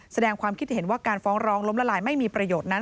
แสดงความคิดเห็นว่าการฟ้องร้องล้มละลายไม่มีประโยชน์นั้น